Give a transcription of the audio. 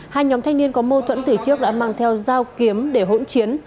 hai nhóm thanh niên có mâu thuẫn từ trước đã mang theo dao kiếm để hỗn chiến